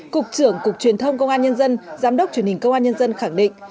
cục trưởng cục truyền thông công an nhân dân giám đốc truyền hình công an nhân dân khẳng định